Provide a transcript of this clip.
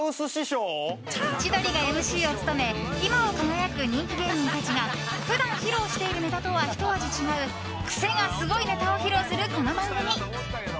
千鳥がＭＣを務め今を輝く人気芸人たちが普段、披露しているネタとはひと味違うクセがスゴいネタを披露するこの番組。